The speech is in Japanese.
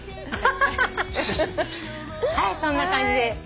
はいそんな感じで。